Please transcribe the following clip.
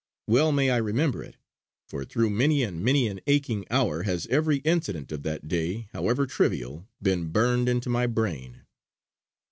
Well may I remember it, for through many and many an aching hour has every incident of that day, however trivial, been burned into my brain.